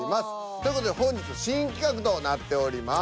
という事で本日新企画となっております。